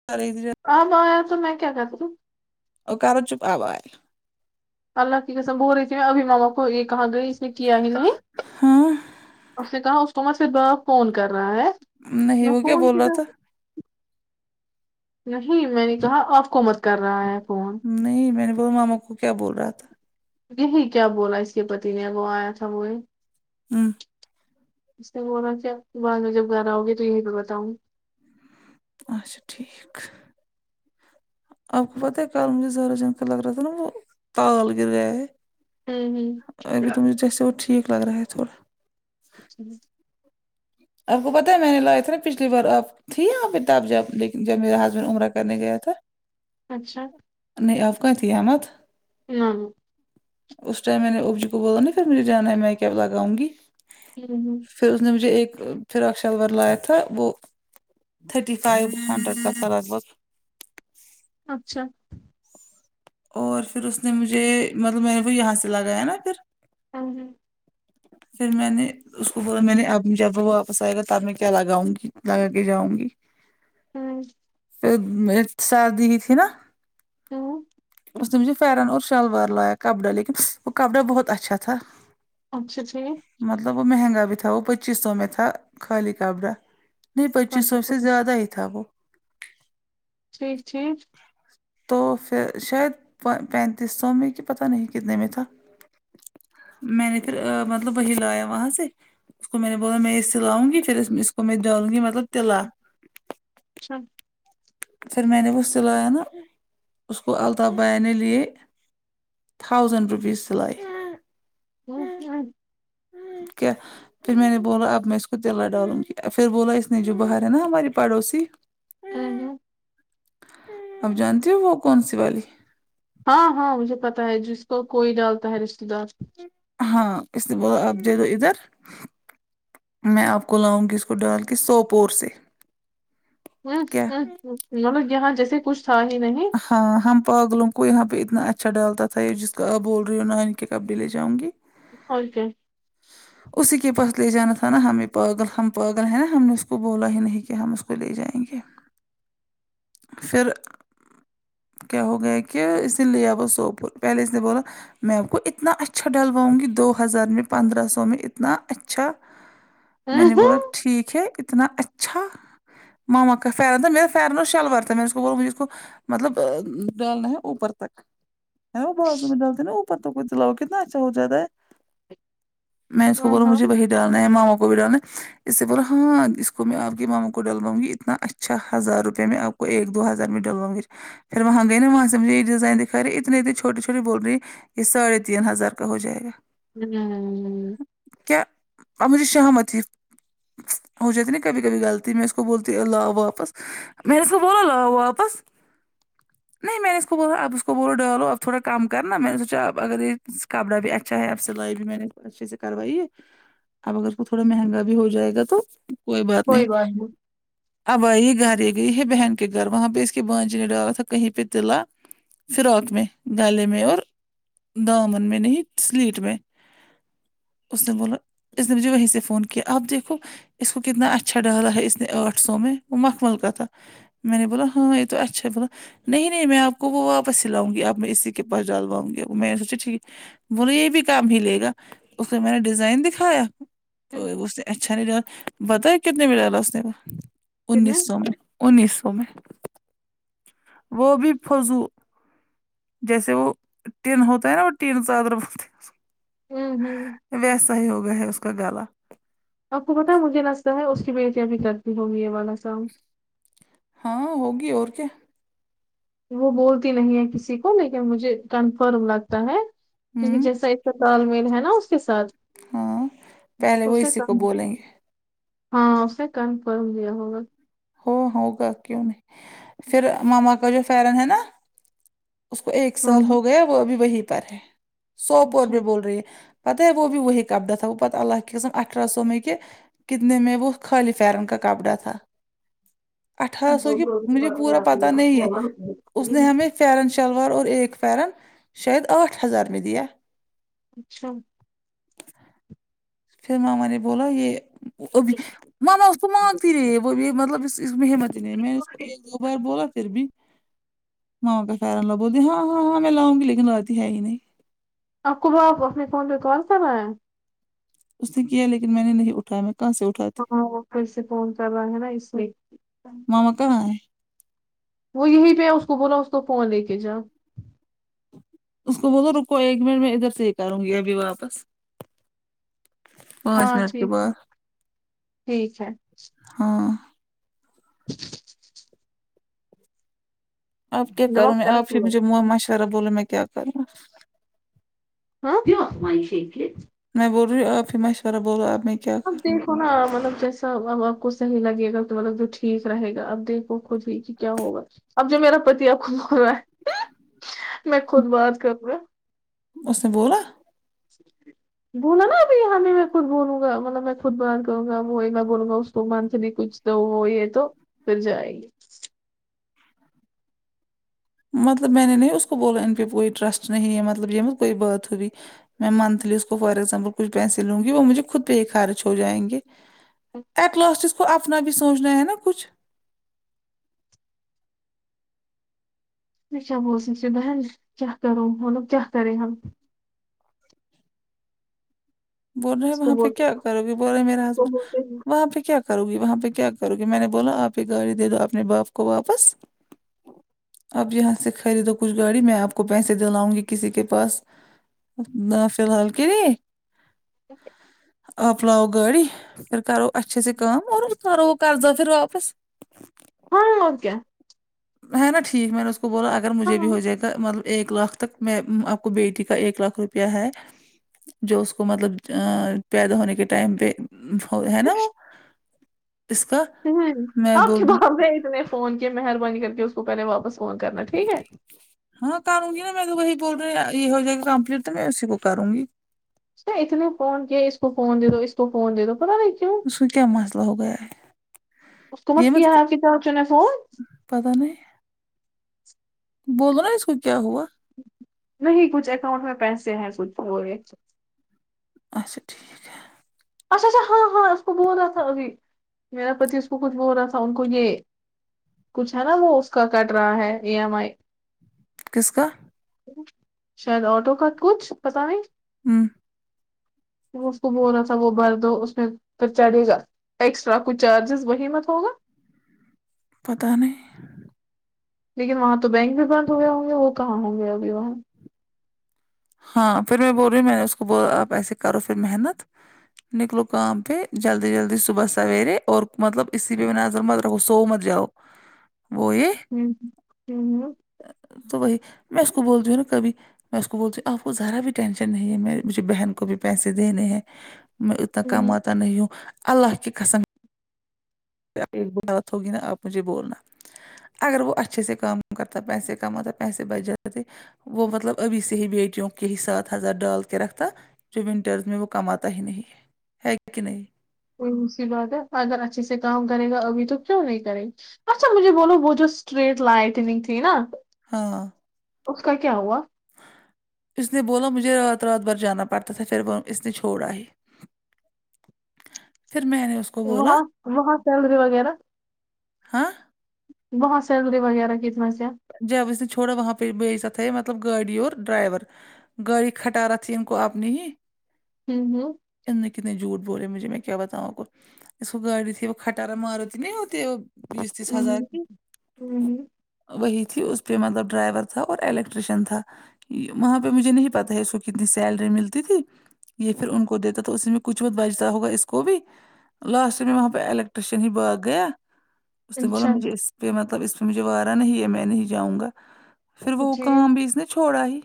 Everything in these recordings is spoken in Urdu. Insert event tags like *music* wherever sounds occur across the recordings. *unintelligible* آب آیا تو میں کیا کرتو وہ کرا *unintelligible* اللہ کی قسم *unintelligible* مما یے کہا گی اس نے کیا ہی نہیں ہاں اس نے کہا اس کو میں پھر فون کر رہا ہے نہیں میں وہ کیا فون بول رہا کیدا تھا نہیں میں نے کہا آف کو مت کر رہا ہے فون نہیں میں نے بول ماما کو کیا بول رہا تھا یہی کیا بولا اس کے پتی نے وہ آیا تھا وہ ہمم اس نے بولا کہ آپ بعد میں جب گھر آؤگے تو یہی پے بتاؤں اچھا ٹھیک آپ کو ہوں پتہ ہے *unintelligible* لگ رہا تھا نا وہ تال گر گیا ہے ہوں ابھی تو جیسے وہ ٹھیک لگ رہا ہے تھوڑا ٹھیک آپ کو پتہ ہے میں نے لایا تھا نا پچھلی بار آپ تھی یہاں پے تب جب لیکن جب میرا ہاسبینڈ عمرہ کرنے گیا تھا اچھا نہیں آپ *unintelligible* نہیں اس ٹائم میں نے اس کو بولا *unintelligible* لگاؤگی ہمم پھر اس نے مجھے ایک فراک شلور لایا تھا وہ تھرٹی فائیو ہنڈریڈ کا تھا لگ بھگ اچھا اور پھر اس نے مجھے مطلب میں نے بھی یہاں سے لگایا نا پھر ہاں جی پھر میں نے اس کو بولا میں نے اب جب واپس آئے گا تب میں کیا لگاؤں گی لگا کے جاؤں گی ہمم جب میں سردی ہی تھی نا ہمم اس نے مجھے پرن اور شلوار لایا کپڑا لیکن وہ کپڑا بہت اچھا تھا اچھا جی مطلب وہ مہنگا بھی تھا وہ پچیس سو میں تھا خالی کپڑا نہیں پچیس اچھا سو سے زیادہ ہی تھا وہ ٹھیک ٹھیک تو پھر شاید پینتیس سو میں کی پتہ نہیں کتنے میں تھا میں نے پھر مطلب وہی لایا وہاں سے اس کو میں نے بولا میں یے سلاؤں گی پھر اس کو میں ڈالوں گی مطلب تلا اچھا پھر میں نے وہ سلایا نا اس کو الطاف بھیا نے لیے تھاؤزنڈ روپیز سلائی وہ کیا ہے اوکے پھر میں نے بولا اب میں اس کو دلا ڈالوں گی پھر بولا اس نے جو باہر ہے نا ہماری پڑوسی *unintelligible* آپ جانتی ہو وہ کون سی والی ہاں ہاں مجھے پتا ہے جس کو کوئی ڈالتا ہے رشتے دار ہاں اس لیے بولو آپ دے دو ادھر میں آپ کو لاؤں گی اس کو ڈال کے سوپور سے کیا مطلب یہاں جیسے کچھ تھا ہی نہیں ہاں ہم پاگلوں کو یہاں پہ اتنا اچھا ڈالتا تھا یہ جس کو آپ بول رہی ہو نانی کے کپڈے لے جاؤں گی او کے اسی کے پاس لے جانا تھا نا ہم یہ پاگل ہم پاگل ہیں نا ہم نے اس کو بولا ہی نہیں کیا ہم اس کو لے جائیں گے پھر کیا ہو گیا کہ اسے لے اب وہ سوپور پہلے اس نے بولا میں آپ کو اتنا اچھا ڈلواؤں گی دو ہزار میں پندرہ سو میں اتنا اچھا میں ہوں، نے بولا ہوں، ٹھیک ہے اتنا اچھا ماما کا فائدہ میرے فیرنا شلوار تھا میں اس کو بولا میرے کو مطلب ڈالنا ہے اوپر تک ہے وہ بازو میں ڈالتے نا اوپر *unintelligible* چلاؤ کتنا اچھا ہو جاتا ہے میں اس ہاں کوبولوں ہاں مجھے وہی ڈان ہے ماما کو بھی ڈالنا نے اس سے بولو ہاں اس کو میں آپ کی ماما کو ڈلواؤں گی اتنا اچھا ہزار روپے میں آپ کو ایک دو ہزار میں ڈلواؤ گی پھر وہاں گئے نا وہاں سے مجھے ڈیزائن دکھا رہے اتنے چھوٹے چھوٹے بول رہے ہیں یہ ساڑھے تین ہزار کا ہو جائے گا ہممم کیا اب مجھے شرم اتی ہے ہو جاتی ہے نا کبھی کبھی غلطی میں اس کو بولتی لاؤ واپس میں نےاس کو بولا لاؤ واپس نہیں میں نے اس کو بولا آپ اس کو بولو ڈا لو اب تھوڑم کم کرنامیں نے سوچا اگر یہ *unintelligible* اچھا ہے اب سلائی بھی میں نے اچھے سے کروائی ہے اب اگر کو تھوڑا مہنگا بھی ہو جائے گا تو کوئی بات نہیں اب آ ئی یہ گھر یہ گئی ہے بہن کے گھر وہاں پہ اس کی بانجی نے ڈالا تھا کہیں پہ تلا فراک میں گالے میں اور دامن میں نہیں سلیٹ میں اس نے بولا اس نے مجھے وہیں سے فون کیا آپ دیکھو اس کو کتنا اچھا ڈالا ہے اس نے آٹھ سو میں وہ مخمل کا تھا میں نے بولا ہاں یہ تو اچھا بولا نہیں نہیں میں آپ کو وہ واپس سلاوگی اب میں اسی کے پس ڈالواؤں گی میں نے *unintelligible* بولے یہ بھی کام ہی لے گا اس کو میں نے ڈیزائن دکھایا ہوں، اسے اچھا نہیں ڈالا بتایا کتنے میں ڈالا اس نے کتنے انیس سو میں انیس سو میں وہ بھی فضو جیسے وہ ٹین ہوتا ہے نا وہ ٹین چادر بولتے ہے اسکو ہممم ہمم ویسا ہی ہوگیا ہے اس کا گلا آپ کو پتا مجھے لستا ہے اس کی بیٹیاں بھیھی کرتی ہوگی یہ والا کا م ہاں ہوگی اور کیا وہ بولتی نہیں ہے کسی کو لیکن مجھے کنفرم لگتا ہے کیونکہ ہوں جیسا اس کا تال میل ہے نا اس کے ساتھ ہاں پہلے وہ اسے اسی کو کم ہے بولیں گے ہاں اس نے کنفرم دیا ہوگا ہو ہوگا کیوں نہیں فھر ماما کا جو فرن ہے نا اس کو ایک ہاں سال ہاں، ہو گیا وہ ابھی وہی پر ہے سوپور اچھا بھی بول رہی ہے پتہ ہے وہ بھی وہی کپڑا تھا وہ پت اللہ کے قسم اٹہرا سو میں کے کتنے میں وہ خالی فرن کا کپڑا تھا اٹھارہ سو کی مجھے پورا پتا اچھا نہیں ہے اس نے ہمیں فیرن شلوار اور ایک فیر شاید آٹھ ہزار میں دیا اچھا پھر ماما نے بولا یہ اب مما اس تو مانگتی رہی وہ یہ مطلب اس اس میں ہمت ہی نہیں میں نے اس کو ایک دو بار بولا پھر بھی *unintelligible* لو بولے ہاں ہاں ہاں میں لاونگی لیکن لاتی ہے ہی نہیں *unintelligible* اپنے فون پہ کال کرنا ہے اس نے کیا لیکن میں نے نہیں اٹایا میں کہاں سے اٹھا ہاں پھر سے فون کر رہا ہے نا اس میں مما کہاں ہے وہ یہی پہ ہے اس کو بولا اس کو فون لے کے جاؤ اس کو بولو رکو ایک منٹ میں ادھر سے ہی کروں گی ابھی واپس پانچ ہاں منٹ کے ٹھیک ہے بعد ٹھیک ہے ہاں اب کیا جب کروں میں آپ ہی مجھے ترقی مشورہ بولے میں کیا کروںا ہاں میں بول رہی آپ ہی مشورہ بولواب میں کیا اب کروں دے تھوڑا مطلب جیسا اب آپ کو صحی لگے گا تو مطلب جو ٹھیک رہے گا اب دیکھو خود ہی کہ کیا ہوگا اب جو میرا پتی آپ کو رہا ہے میں خود بات کروں گا اس نے بولا جی جی بولا نا اب یہاں بھی خود بولوں گامطلب میں خود بیان کروں گا وہی میں بولوں گا اس کو من سے بھی کچھ تو وہ یہ تو پھر جائے گی مطلب میں نے نہیں اس کو بولا ان پہ کوئی ٹرسٹ نہیں ہے مطلب یہ کوئی بات ہوئی میں منتھلی اس کو فور ایگزامپل کچھ پیسے لوں گی وہ مجھے خود پہ خارج ہو جائیں گے ایٹ لاسٹ اس کو اپنا بھی سوچنا ہے نا کچھ *unintelligible* کیا کروں بولو اب کیا کریں ہم بول رہے ہیں اس کو وہاں پہ بولتے کیا کرو گی بولے اس میرا کو ہسبینڈ بولتے ہیں وہاں پہ کیا کروں گی وہاں پہ کیا کرو گی میں نے بولا آپ ہی گاڑی دے دو اپنے باپ کو واپس اپ یہاں سے خریدو کچھ گاڑی میں آپ کو پیسے دلااؤں گی کسی کے پاس نہ فی الحال کے اک آپ لاؤ گاڑی پھر کرو اچھے سے کام اور کرو وہ قرضہ پھر واپس ہاں اور کیا میں ہے نا ٹھیک میں نے اس کو بولا اگر ہاں مجھے بھی ہوں۔ ہو جائے گا مطلب ایک لاکھ تک میں آپ کو بیٹی کا ایک لاکھ روپیہ ہے جو اس کو مطلب پیدا ہونے کے ٹائم پہ بھوے ہے نا وہ اس کا ھمم میں آپ بول کے رہی باپ نے اتنے فون کی مہربانی کر کے اس کو پہلے واپس فون کرنا ٹھیک ہے ہاں کروں گی نا میں تو کو وہی بول رہی یہ ہو جائے گا کمپلیٹ تو میں اسی کو کروں گی اتنے فون کیا اس کو فون د دو اس کو فون دے دو پتا نہیں کیوں اس کو کیا مسئلہ ہو گیا ہے اس کو مت کیا ہے آپ کی *unintelligible* پتا نہیں بولو نا اس کو کیا ہوا نہیں کچھ اکاؤنٹ میں پیسے ہیں وہ ہے اچھا ٹھیک اچھا اچھا ہاں ہاں اس کو بول رہا تھا ابھی میرا پتی اس کو خود بول رہا تھا ان کو یہ کچھ ہے نا وہ اس کا کٹ رہا ہے ای ایم آئی کس کا شاید آٹو کا کچھ پتا نہیں امم اسکو بولا تھا وہ بھر دو اس میں پھر چارجز ایکسٹرا کچھ چارجز وہی مت ہوگا پتہ نہیں لیکن وہاں تو بینک بھی بند ہو گیا ہوں گا وہ کہاں ہوں گے ابھی وہاں ہاں پھر میں بول رہی میں نے اس کو آپ ایسے کرو پھر محنت نکلو کام تھے جلدی جلدی صبح سویرے اور مطلب اسی پہ میں نظر سو مت جاؤ وہ یہ ہم ھمم امم ھمم تو وہی میں اس کو بولتی ہوں نا کبھی میں اس کو بولتی آپ کو ذرا بھی ٹینشن نہیں ہے میں مجھے بہن کو بھی پیسے دینے ہیں میں اتنا ہوں کماتا نہیں ہوں اللہ کی قسم ایک بات ہوگی نا آپ مجھے بولنا اگر وہ اچھے سے کام کرتا پیسے کماتا پیسے بچ جاتے تھے وہ مطلب ابھی سے ہی بیٹیوں کے ہی ساتھ ہزار ڈال کے رکھتا جو ونٹرس میں وہ کماتا ہی نہیں ہے کہ نہیں کوئی مشکل بات ہے اگر اچھے سے کام کرے گا ابھی تو کیوں نہیں کرے اچھا مجھے بولو وہ جو اسٹریٹ لائٹنگ تھی نا ہاں اس کا کیا ہوا اس نے بولا مجھے رات رات بھر جانا پڑتا تھا پھر وہ اس نے چھوڑا ہے پھر میں نے اس کو بولا وہاں وہاں سیلری وغیرہ ہاں بہت سیلری وغیرہ کی سمسیا جب اسے چھوڑا وہاں پے بھیجا تھا یہ مطلب گاڑی اور ڈائیور گاڑی کھٹا را تھی ان کو اپ نے ہی ہم ہم اتنے کتنے جھوٹ بولے مجھے میں کیا بتاؤں اپ کو اس کو گاڑی تھی وہ کھٹارا ماروتھی نہیں ہوتی بیس تیس ہزار کی *unintelligible* وہی تھی اس پے مطلب ڈرائیور تھا اور الیکٹریشن تھا وہاں پے مجھے نہیں پتہ ہے اس کو کتنی سیلری ملتی تھی یہ پھر ہوں ان کو دیتا تو اس میں کچھ بت بجتا ہوگا اس کو بھی لاسٹ میں وہاں پے الیکٹریشن ہی بھگ گیا اس نے بولا اچھا مجھے اس پے مطلب اس پے مجھے وارہ نہیں ہے میں نہیں جاؤں گا پھر وہ ٹھیک کام بھی اس نے چھوڑا ہی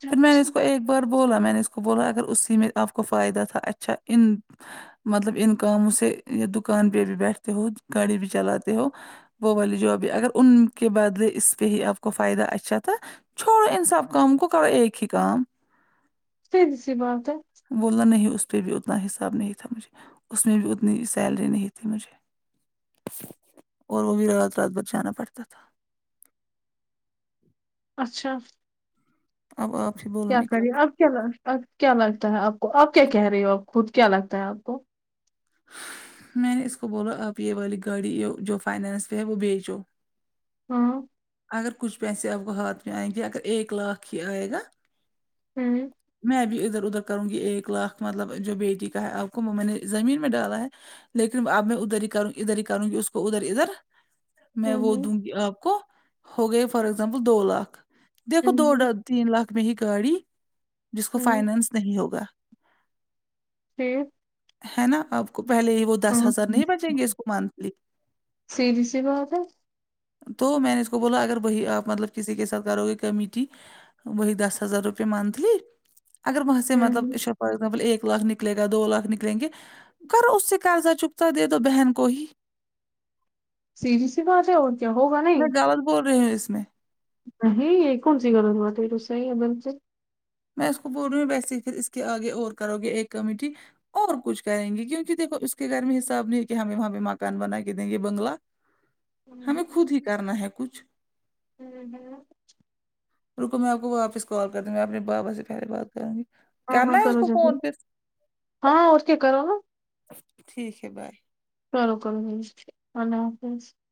چلو پھر میں نے اس کو ٹھیک ایک بار بولا میں نے اس کو بولا اگر اسی میں آپ کو فائدہ تھا اچھا ان مطلب ان کاموں سے دکان پے بھی بیٹھتے ہو گاڑی بھی چلاتے ہو وہ والی جو ابھی اگر ان کے بادلے اس پے ہی آپ کو فائدہ اچھا تھا چھوڑو ان سب کم کو کرو ایک ہی کام سیدھی سی بات ہے بولنا نہیں اس پے بھی اتنا حساب نہیں تھا مجھے اس میں بھی اتنی سیلری نہیں تھی مجھے اور وہ بھی رات رات بھر جانا پڑتا تھا اچھا اب آپ ہی با کیا کری آپ کیا کیا لگتا ہے آپ کو آپ کیا کہہ رہی ہو آپ خود کیا لگتا ہے آپ کو میں نے اس کو بولا آپ یے والی گاڑی جو فائنانس پے ہے وہ بیچو ہاں اگر کچھ پیسے آپ کو ہاتھ میں آئیں گے اگر ایک لاکھ ہی آئے گا *unintelligible* میں بھی ادھر ادھر کروں گی ایک لاکھ مطلب جو بیٹی کا ہے آپ کو وہ میں نے زمین میں ڈالا ہے لیکن اب میں ادھر ہی کروں ادھر ہی کروں گی اس کو ادھر ادھر میں وہ ہوں دوں گی آپ کو ہو گئے فار ایگزامپل دو لاکھ دیکھو دو ہوں ڈن تین لاکھ میں ہی گاڑی جس کو ہوں فائنانس نہیں ہوگا پھر ہے نہ آپ کو پہلے ہی وہ دس ہاں ہزار نہیں بچیں گے اس کو منتھلی سیدھی سی بات ہے تو میں نے اس کو بولا اگر وہی آپ مطلب کسی کے ساتھ کرو گے کمیٹی وہی دس ہزار روپئے منتھلی اگر وہاں سے ہوں مطلب ہوں اشا فرض میں بولی ایک لاکھ نکلے گا دو لاکھ نکلیں گے کرو اس سے قرضہ چکتا دے دو بہن کو ہی سیدھی سی بات ہیں اور کیا ہوگا میں نہیں گلت بول رہی ہوں اس میں نہیں یے کونسی گلت بات ہے یے تو صحیح ہے بالکل میں اس کو بول رہی ہوں ویسے اس کے آگے اور کرو گے ایک کمیٹی اور کچھ کہیں گے کیونکی دیکھو اس کے گھر میں حساب نہیں کہ ہم وہاں پے مکان بنا کے دینگے بنگلہ ہوں ہمیں خود ہی کرنا ہے کچھ *unintelligible* رکو میں آپ کو واپس کال کروں میں اپنے بابا سے پہلے بات کروں گی ہاں کرنا ہاں ہے اس کرو کو جب فون پھر ہاں اس کی کرو نہ ٹھیک ہے بار چلو کوئی نہیں اللہ حافظ